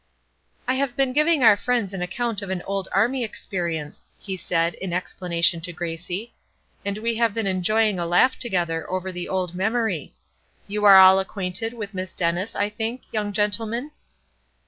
"I have been giving our friends an account of an old army experience," he said, in explanation to Gracie, "and we have been enjoying a laugh together over the old memory. You are all acquainted with Miss Dennis, I think, young gentlemen?"